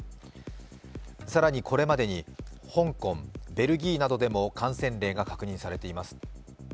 更にこれまでに香港、ベルギーなどでも感染例が確認されています。